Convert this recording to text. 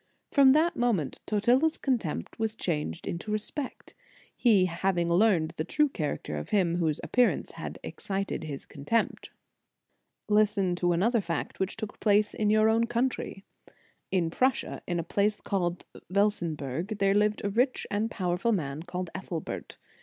From that moment Totila s contempt was changed into respect, he having learned the true character of him whose appearance had excited his contempt."* Listen to another fact which took place in your own country. In Prussia, in a place called Velsenberg, there lived a rich and pow erful man called Ethelbert.